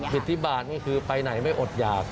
สิทธิบาทนี่คือไปไหนไม่อดหยาก